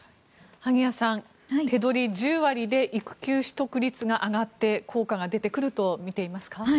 萩谷さん、手取り１０割で育休取得率が上がって効果が出てくると見ていますか？